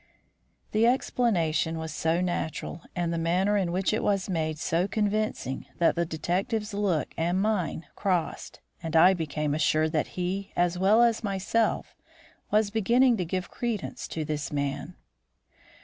The explanation was so natural, and the manner in which it was made so convincing, that the detective's look and mine crossed, and I became assured that he as well as myself was beginning to give credence to this man.